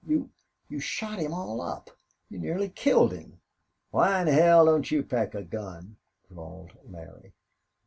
"You you shot him all up! You nearly killed him." "Why in hell don't you pack a gun?" drawled Larry.